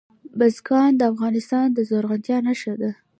بزګان د افغانستان د زرغونتیا نښه ده.